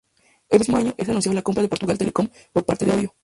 El mismo año, es anunciado la compra de Portugal Telecom por parte de Oi.